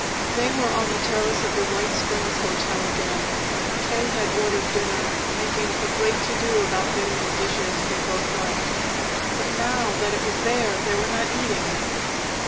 They were on the terrace of the White Springs Hotel again. K. had ordered dinner, making a great to do about getting the dishes they both liked. But now that it was there, they were not eating.